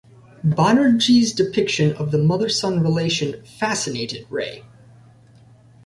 Banerjee's depiction of the mother-son relation fascinated Ray.